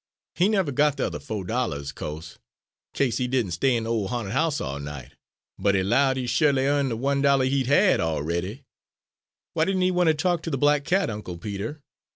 He nevuh got de yuther fo' dollahs of co'se, 'ca'se he didn't stay in de ole ha'nted house all night, but he 'lowed he'd sho'ly 'arned de one dollah he'd had a'ready." "Why didn't he want to talk to the black cat, Uncle Peter?"